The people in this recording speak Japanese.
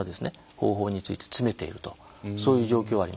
方法について詰めているとそういう状況があります。